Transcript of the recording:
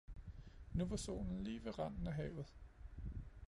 Nu var solen lige ved randen af havet.